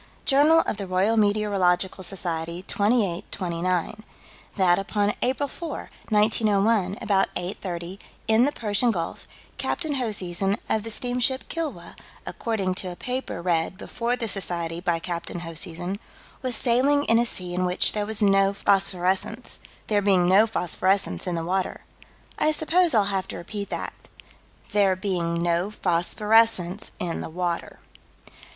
Journal of the Royal Meteorological Society, 28 29: That, upon April 4, 1901, about 8:30, in the Persian Gulf, Captain Hoseason, of the steamship Kilwa, according to a paper read before the Society by Captain Hoseason, was sailing in a sea in which there was no phosphorescence "there being no phosphorescence in the water." I suppose I'll have to repeat that: "... there being no phosphorescence in the water."